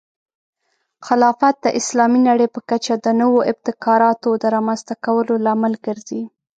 خلافت د اسلامي نړۍ په کچه د نوو ابتکاراتو د رامنځته کولو لامل ګرځي.